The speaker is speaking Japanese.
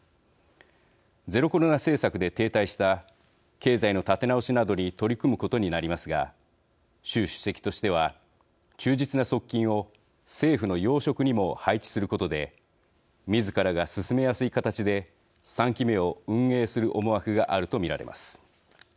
ゼロコロナ政策で停滞した経済の立て直しなどに取り組むことになりますが習主席としては、忠実な側近を政府の要職にも配置することでみずからが進めやすい形で３期目を運営する思惑があると見られます。